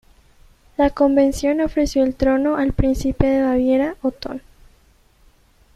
La convención ofreció el trono al príncipe de Baviera, Otón.